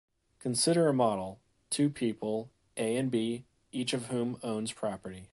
Consider a model: two people, A and B, each of whom owns property.